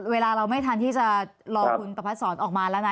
เวลาเราไม่ทันที่จะรอคุณประพัดศรออกมาแล้วนะ